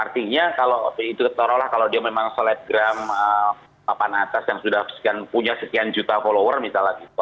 artinya kalau itu taruhlah kalau dia memang selebgram papan atas yang sudah punya sekian juta follower misalnya gitu